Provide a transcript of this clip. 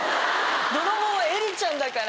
泥棒はエリちゃんだから。